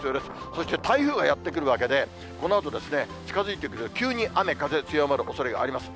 そして台風がやって来るわけで、このあと近づいてくる、急に雨風、強まるおそれがあります。